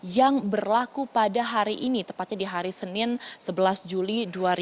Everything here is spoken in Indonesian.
yang berlaku pada hari ini tepatnya di hari senin sebelas juli dua ribu dua puluh